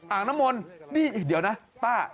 อ่างน้ำมนต์นี่เดี๋ยวนะป้า